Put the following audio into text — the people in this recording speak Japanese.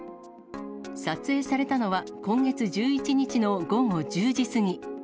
撮影されたのは、今月１１日の午後１０時過ぎ。